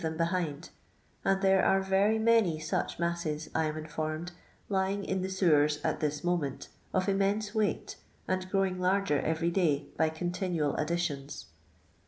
them behind ; and there are rery many such masses, I am informed, lying in the sewers at this moment, of immense weighty and growing larger every day by continual additions.